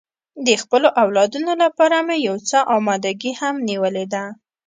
د خپلو اولادو لپاره مې یو څه اماده ګي هم نیولې ده.